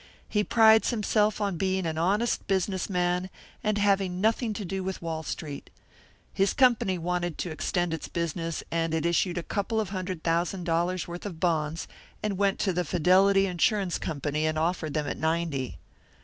He prides himself on being an honest business man, and having nothing to do with Wall Street. His company wanted to extend its business, and it issued a couple of hundred thousand dollars' worth of bonds, and went to the Fidelity Insurance Company and offered them at ninety.